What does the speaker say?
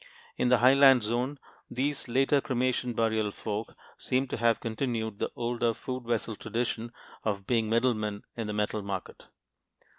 In the highland zone, these later cremation burial folk seem to have continued the older Food vessel tradition of being middlemen in the metal market.